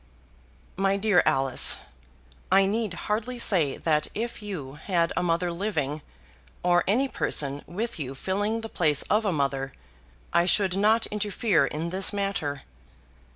"My dear Alice, I need hardly say that if you had a mother living, or any person with you filling the place of a mother, I should not interfere in this matter."